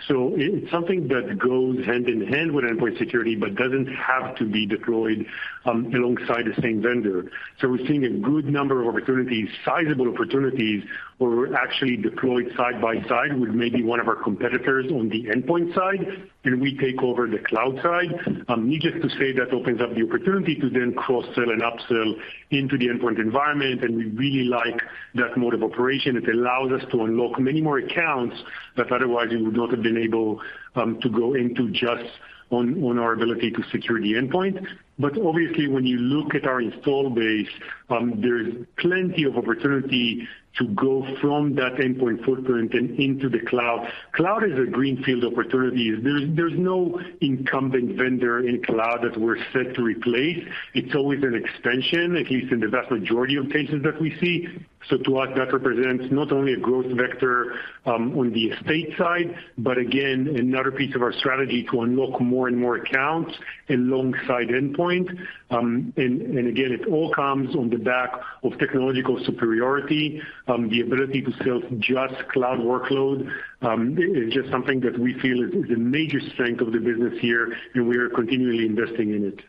It's something that goes hand in hand with endpoint security but doesn't have to be deployed alongside the same vendor. We're seeing a good number of opportunities, sizable opportunities, where we're actually deployed side by side with maybe one of our competitors on the endpoint side, and we take over the cloud side. Needless to say, that opens up the opportunity to then cross-sell and upsell into the endpoint environment, and we really like that mode of operation. It allows us to unlock many more accounts that otherwise we would not have been able to go into just on our ability to secure the endpoint. Obviously, when you look at our install base, there's plenty of opportunity to go from that endpoint footprint and into the cloud. Cloud is a greenfield opportunity. There's no incumbent vendor in cloud that we're set to replace. It's always an extension, at least in the vast majority of cases that we see. To us, that represents not only a growth vector on the estate side, but again, another piece of our strategy to unlock more and more accounts alongside endpoint. Again, it all comes on the back of technological superiority. The ability to sell just cloud workload is just something that we feel is a major strength of the business here, and we are continually investing in it.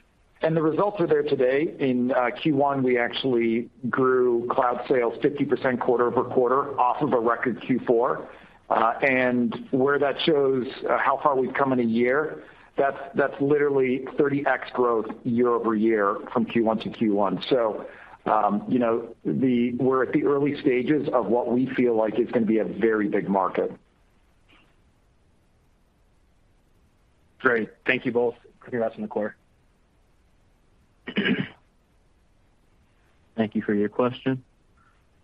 The results are there today. In Q1, we actually grew cloud sales 50% quarter over quarter off of a record Q4. Where that shows how far we've come in a year, that's literally 30x growth year-over-year from Q1 to Q1. You know, we're at the early stages of what we feel like is gonna be a very big market. Great. Thank you both. Congrats on the quarter. Thank you for your question.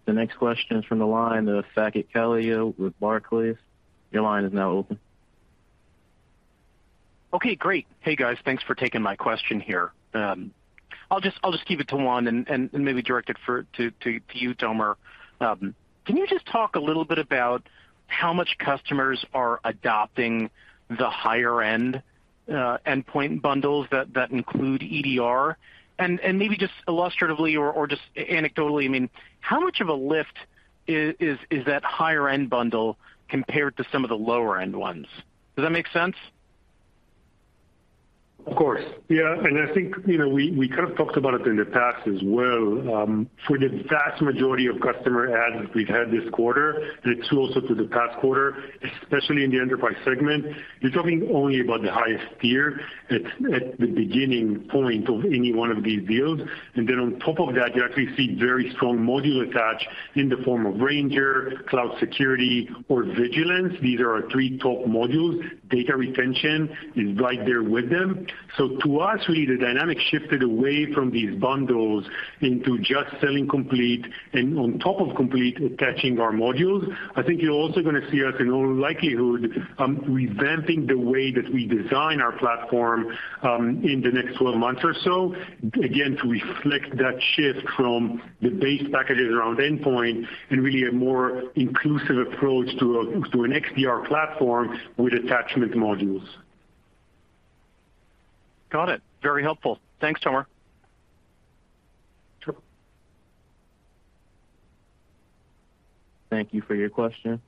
The next question is from the line of Saket Kalia with Barclays. Your line is now open. Okay, great. Hey, guys. Thanks for taking my question here. I'll just keep it to one and maybe direct it to you, Tomer. Can you just talk a little bit about how much customers are adopting the higher-end endpoint bundles that include EDR? And maybe just illustratively or just anecdotally, I mean, how much of a lift is that higher-end bundle compared to some of the lower-end ones? Does that make sense? Of course. Yeah, I think, you know, we kind of talked about it in the past as well. For the vast majority of customer adds that we've had this quarter, and it's true also for the past quarter, especially in the enterprise segment, you're talking only about the highest tier at the beginning point of any one of these deals. Then on top of that, you actually see very strong module attach in the form of Ranger, Cloud Security or Vigilance. These are our three top modules. Data Retention is right there with them. To us, really, the dynamic shifted away from these bundles into just selling Complete and on top of Complete attaching our modules. I think you're also gonna see us in all likelihood revamping the way that we design our platform in the next 12 months or so, again, to reflect that shift from the base packages around endpoint and really a more inclusive approach to an XDR platform with attachment modules. Got it. Very helpful. Thanks, Tomer. Sure. Thank you for your question.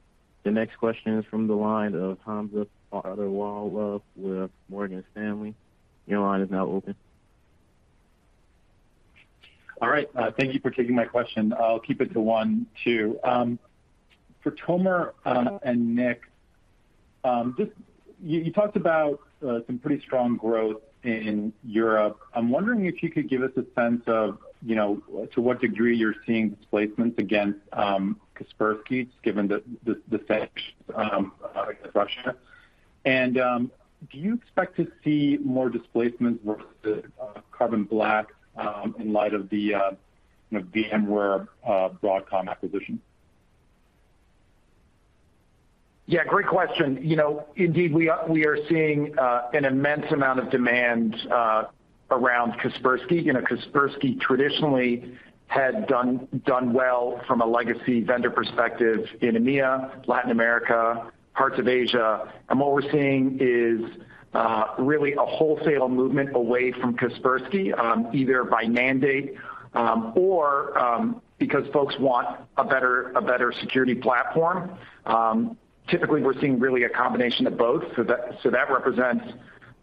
The next question is from the line of Hamza Fodderwala with Morgan Stanley. Your line is now open. All right. Thank you for taking my question. I'll keep it to one too. For Tomer and Nick. You talked about some pretty strong growth in Europe. I'm wondering if you could give us a sense of, you know, to what degree you're seeing displacement against Kaspersky, given the sanctions against Russia. Do you expect to see more displacements versus Carbon Black in light of the, you know, VMware Broadcom acquisition? Yeah, great question. You know, indeed, we are seeing an immense amount of demand around Kaspersky. You know, Kaspersky traditionally had done well from a legacy vendor perspective in EMEA, Latin America, parts of Asia. What we're seeing is really a wholesale movement away from Kaspersky, either by mandate or because folks want a better security platform. Typically, we're seeing really a combination of both. That represents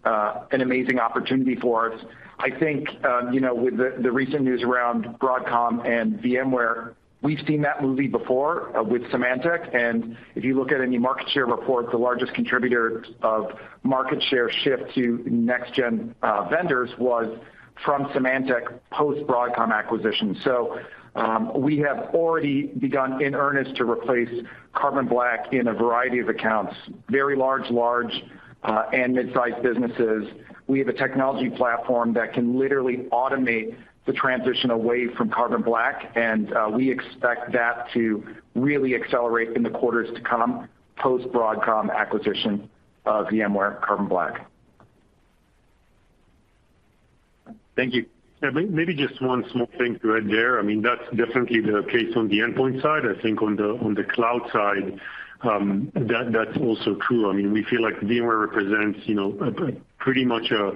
an amazing opportunity for us. I think, you know, with the recent news around Broadcom and VMware, we've seen that movie before with Symantec. If you look at any market share report, the largest contributor of market share shift to next gen vendors was from Symantec post Broadcom acquisition. We have already begun in earnest to replace Carbon Black in a variety of accounts, very large, and mid-sized businesses. We have a technology platform that can literally automate the transition away from Carbon Black, and we expect that to really accelerate in the quarters to come post Broadcom acquisition of VMware Carbon Black. Thank you. Yeah. Maybe just one small thing to add there. I mean, that's definitely the case on the endpoint side. I think on the cloud side, that's also true. I mean, we feel like VMware represents, you know, a pretty much a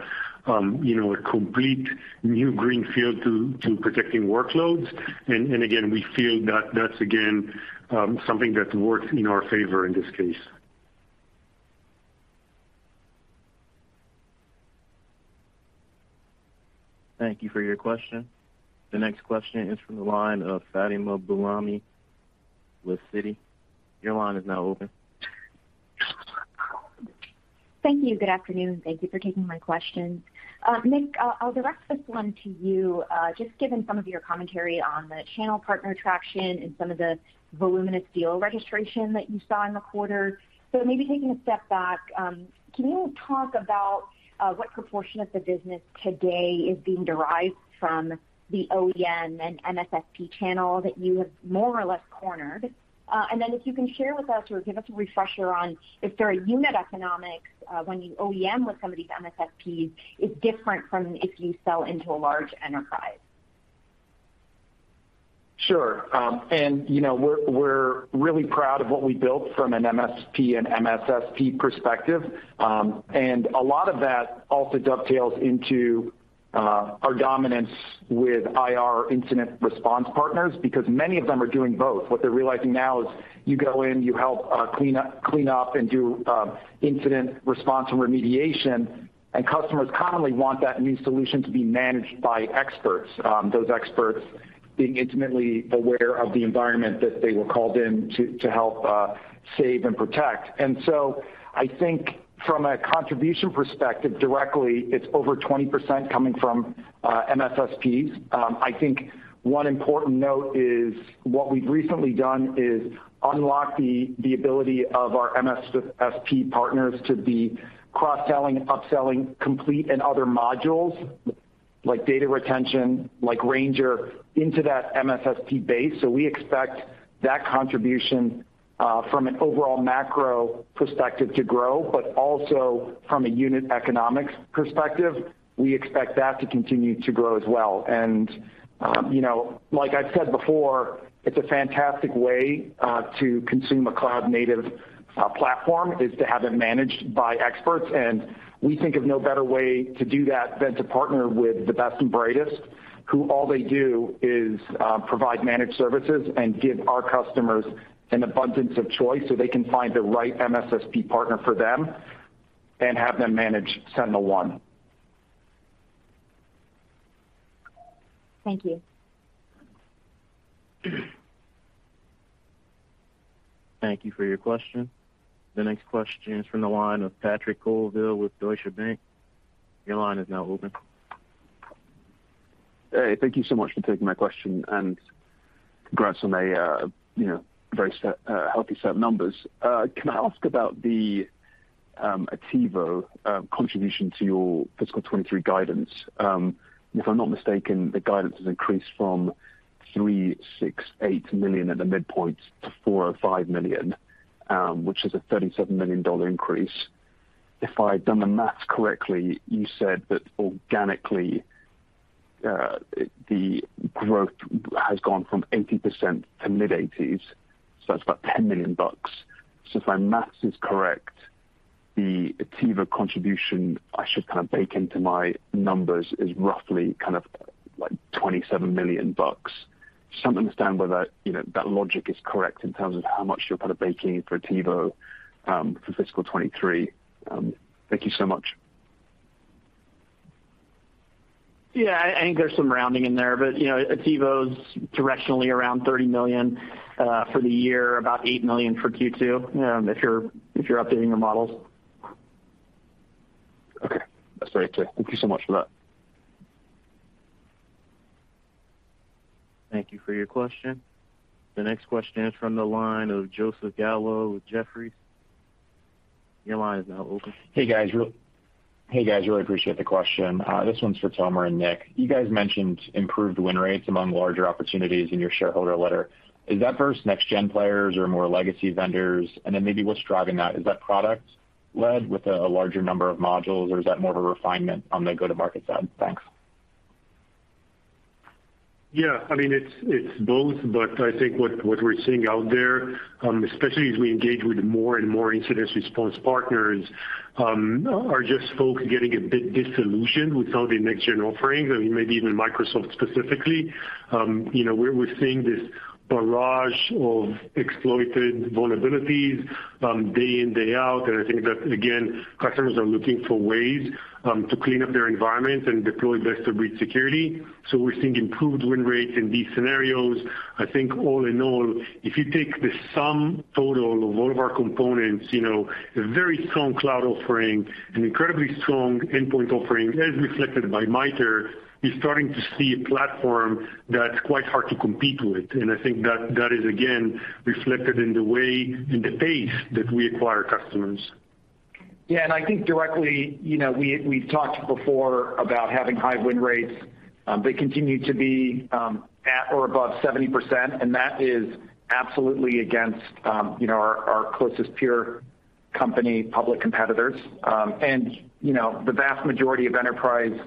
complete new green field to protecting workloads. Again, we feel that that's again something that works in our favor in this case. Thank you for your question. The next question is from the line of Fatima Boolani with Citi. Your line is now open. Thank you. Good afternoon. Thank you for taking my questions. Nick, I'll direct this one to you, just given some of your commentary on the channel partner traction and some of the voluminous deal registration that you saw in the quarter. Maybe taking a step back, can you talk about what proportion of the business today is being derived from the OEM and MSSP channel that you have more or less cornered? And then if you can share with us or give us a refresher on if there are unit economics when you OEM with some of these MSSPs is different from if you sell into a large enterprise. Sure. You know, we're really proud of what we built from an MSP and MSSP perspective. A lot of that also dovetails into our dominance with IR incident response partners because many of them are doing both. What they're realizing now is you go in, you help clean up and do incident response and remediation, and customers commonly want that new solution to be managed by experts. Those experts being intimately aware of the environment that they were called in to help save and protect. I think from a contribution perspective directly, it's over 20% coming from MSSPs. I think one important note is what we've recently done is unlock the ability of our MSSP partners to be cross-selling, upselling Complete and other modules like Data Retention, like Ranger into that MSSP base. We expect that contribution from an overall macro perspective to grow, but also from a unit economics perspective, we expect that to continue to grow as well. You know, like I've said before, it's a fantastic way to consume a cloud native platform, is to have it managed by experts. We think of no better way to do that than to partner with the best and brightest, who all they do is provide managed services and give our customers an abundance of choice so they can find the right MSSP partner for them and have them manage SentinelOne. Thank you. Thank you for your question. The next question is from the line of Patrick Colville with Deutsche Bank. Your line is now open. Hey, thank you so much for taking my question and congrats on a, you know, very healthy set of numbers. Can I ask about the Attivo contribution to your fiscal 2023 guidance? If I'm not mistaken, the guidance has increased from $368 million at the midpoint to $405 million, which is a $37 million increase. If I've done the math correctly, you said that organically, the growth has gone from 80% to mid-80s, so that's about $10 million. If my math is correct, the Attivo contribution I should kind of bake into my numbers is roughly kind of like $27 million. Just want to understand whether, you know, that logic is correct in terms of how much you're kind of baking in for Attivo, for fiscal 2023. Thank you so much. Yeah, I think there's some rounding in there, but you know, Attivo's directionally around $30 million for the year, about $8 million for Q2, if you're updating your models. Okay. That's very clear. Thank you so much for that. Thank you for your question. The next question is from the line of Joseph Gallo with Jefferies. Your line is now open. Hey, guys. Really appreciate the question. This one's for Tomer and Nick. You guys mentioned improved win rates among larger opportunities in your shareholder letter. Is that versus next gen players or more legacy vendors? And then maybe what's driving that? Is that product led with a larger number of modules, or is that more of a refinement on the go-to-market side? Thanks. Yeah, I mean, it's both, but I think what we're seeing out there, especially as we engage with more and more incident response partners, are just folks getting a bit disillusioned with some of the next gen offerings, I mean, maybe even Microsoft specifically. You know, we're seeing this barrage of exploited vulnerabilities, day in, day out, and I think that, again, customers are looking for ways to clean up their environment and deploy best of breed security. We're seeing improved win rates in these scenarios. I think all in all, if you take the sum total of all of our components, you know, a very strong cloud offering, an incredibly strong endpoint offering, as reflected by MITRE, you're starting to see a platform that's quite hard to compete with. I think that is again reflected in the way, in the pace that we acquire customers. Yeah, I think directly, you know, we've talked before about having high win rates, they continue to be at or above 70%, and that is absolutely against, you know, our closest peer company, public competitors. You know, the vast majority of enterprise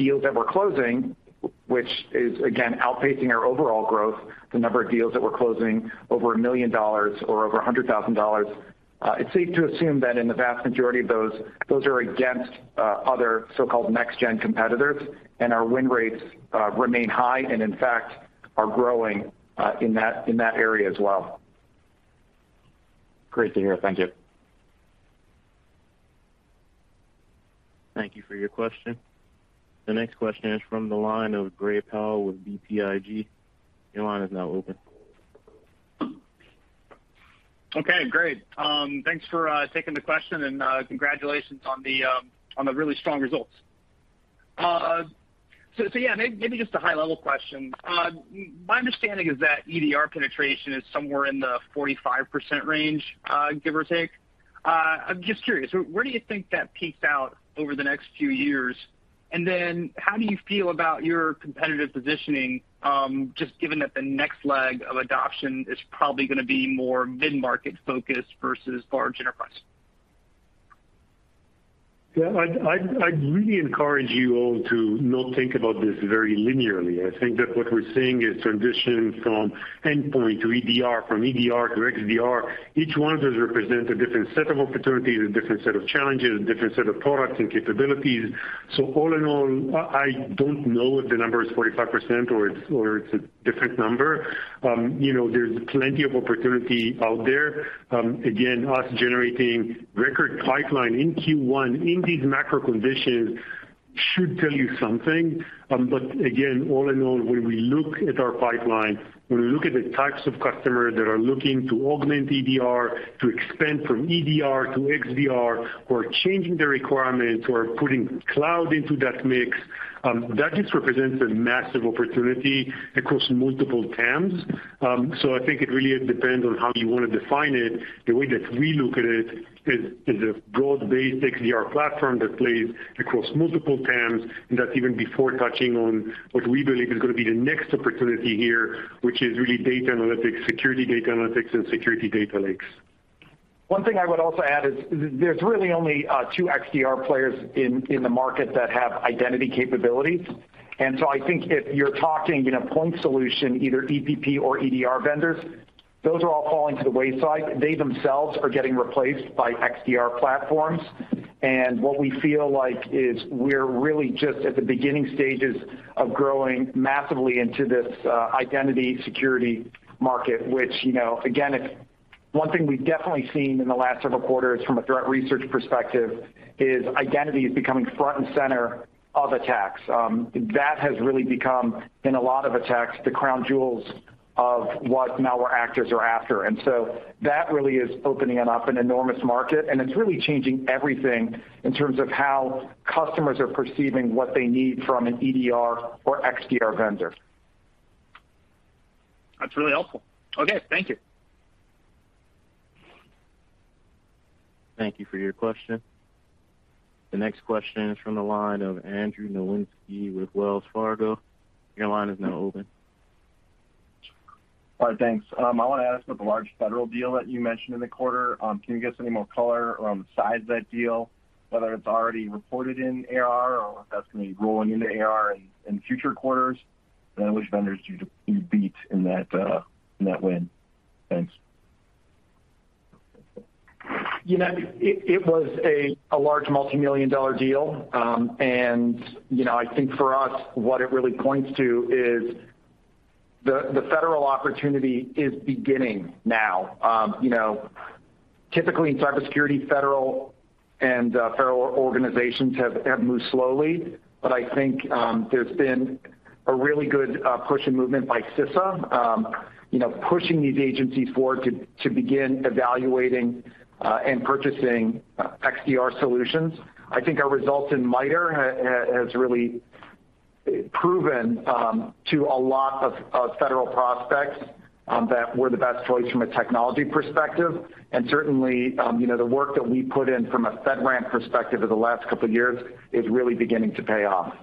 deals that we're closing, which is again, outpacing our overall growth, the number of deals that we're closing over $1 million or over $100,000, it's safe to assume that in the vast majority of those are against other so-called next gen competitors and our win rates remain high and in fact are growing in that area as well. Great to hear. Thank you. Thank you for your question. The next question is from the line of Gray Powell with BTIG. Your line is now open. Okay, great. Thanks for taking the question and congratulations on the really strong results. So yeah, maybe just a high level question. My understanding is that EDR penetration is somewhere in the 45% range, give or take. I'm just curious, where do you think that peaks out over the next few years? How do you feel about your competitive positioning, just given that the next leg of adoption is probably gonna be more mid-market focused versus large enterprise? Yeah, I'd really encourage you all to not think about this very linearly. I think that what we're seeing is transition from endpoint to EDR, from EDR to XDR. Each one of those represent a different set of opportunities, a different set of challenges, a different set of products and capabilities. All in all, I don't know if the number is 45% or it's a different number. You know, there's plenty of opportunity out there. Again, us generating record pipeline in Q1 in these macro conditions should tell you something. Again, all in all, when we look at our pipeline, when we look at the types of customers that are looking to augment EDR, to expand from EDR to XDR, who are changing the requirements or putting cloud into that mix, that just represents a massive opportunity across multiple TAMs. I think it really depends on how you wanna define it. The way that we look at it is a broad-based XDR platform that plays across multiple TAMs, and that's even before touching on what we believe is gonna be the next opportunity here, which is really data analytics, security data analytics, and security data lakes. One thing I would also add is there's really only two XDR players in the market that have identity capabilities. I think if you're talking, you know, point solution, either EPP or EDR vendors, those are all falling to the wayside. They themselves are getting replaced by XDR platforms. What we feel like is we're really just at the beginning stages of growing massively into this identity security market, which, you know, again, one thing we've definitely seen in the last several quarters from a threat research perspective is identity is becoming front and center of attacks. That has really become, in a lot of attacks, the crown jewels of what malware actors are after. that really is opening up an enormous market, and it's really changing everything in terms of how customers are perceiving what they need from an EDR or XDR vendor. That's really helpful. Okay, thank you. Thank you for your question. The next question is from the line of Andrew Nowinski with Wells Fargo. Your line is now open. All right. Thanks. I wanna ask about the large federal deal that you mentioned in the quarter. Can you give us any more color around the size of that deal, whether it's already reported in ARR or if that's gonna be rolling into ARR in future quarters? Which vendors do you beat in that win? Thanks. You know, it was a large $multi-million deal. You know, I think for us, what it really points to is the federal opportunity is beginning now. You know, typically in cybersecurity, federal organizations have moved slowly, but I think there's been a really good push and movement by CISA, you know, pushing these agencies forward to begin evaluating and purchasing XDR solutions. I think our results in MITRE has really proven to a lot of federal prospects that we're the best choice from a technology perspective. Certainly, you know, the work that we put in from a FedRAMP perspective over the last couple of years is really beginning to pay off.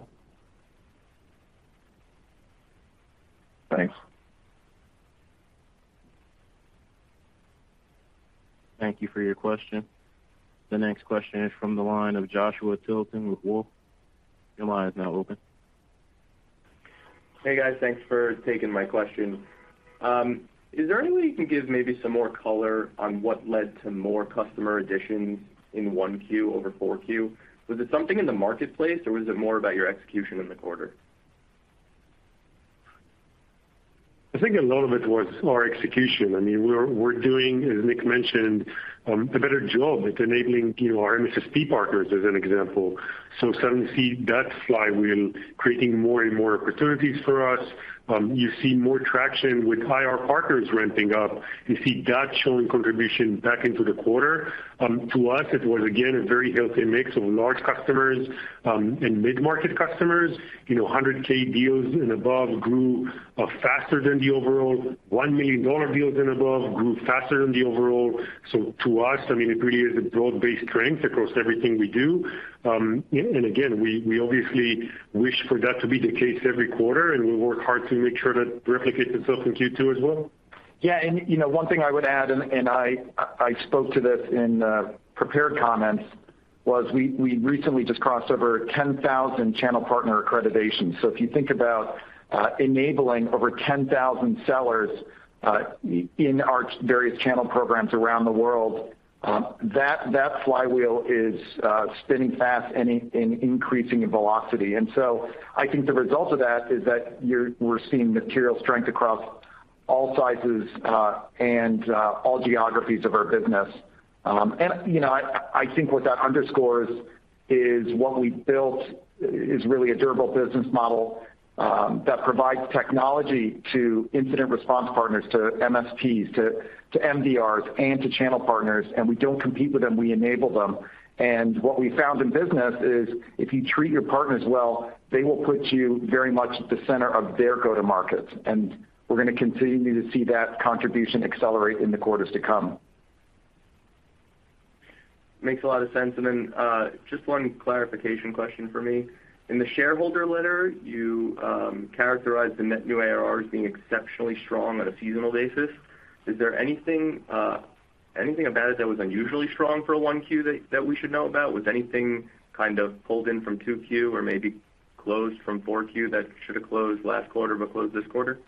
Thanks. Thank you for your question. The next question is from the line of Joshua Tilton with Wolfe. Your line is now open. Hey, guys. Thanks for taking my question. Is there any way you can give maybe some more color on what led to more customer additions in one Q over four Q? Was it something in the marketplace or was it more about your execution in the quarter? I think a lot of it was our execution. I mean, we're doing, as Nick mentioned, a better job at enabling, you know, our MSP partners as an example. We suddenly see that flywheel creating more and more opportunities for us. You see more traction with IR partners ramping up. You see that showing contribution back into the quarter. To us, it was again a very healthy mix of large customers and mid-market customers. You know, $100K deals and above grew faster than the overall. $1 million deals and above grew faster than the overall. To us, I mean, it really is a broad-based strength across everything we do. And again, we obviously wish for that to be the case every quarter, and we work hard to make sure that replicates itself in Q2 as well. Yeah, you know, one thing I would add, and I spoke to this in prepared comments, was we recently just crossed over 10,000 channel partner accreditation. If you think about enabling over 10,000 sellers in our various channel programs around the world, that flywheel is spinning fast and increasing in velocity. I think the result of that is that we're seeing material strength across all sizes and all geographies of our business. You know, I think what that underscores is what we built is really a durable business model that provides technology to incident response partners, to MSPs, to MDRs and to channel partners, and we don't compete with them, we enable them. What we found in business is if you treat your partners well, they will put you very much at the center of their go-to-markets. We're gonna continue to see that contribution accelerate in the quarters to come. Makes a lot of sense. Just one clarification question for me. In the shareholder letter, you characterized the net new ARRs being exceptionally strong on a seasonal basis. Is there anything about it that was unusually strong for 1Q that we should know about? Was anything kind of pulled in from 2Q or maybe closed from 4Q that should have closed last quarter but closed this quarter?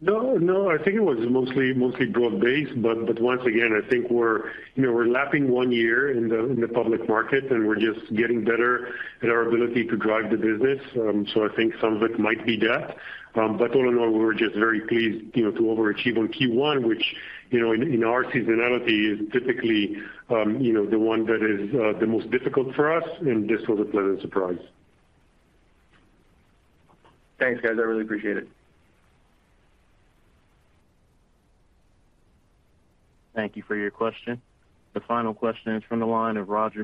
No, no. I think it was mostly broad-based, but once again, I think we're, you know, we're lapping one year in the public market, and we're just getting better at our ability to drive the business. I think some of it might be that. All in all, we're just very pleased, you know, to overachieve on Q1, which, you know, in our seasonality is typically, you know, the one that is the most difficult for us, and this was a pleasant surprise. Thanks, guys. I really appreciate it. Thank you for your question. The final question is from the line of Roger.